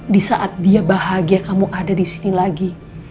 di saat dia bahagia kamu ada di sini lagi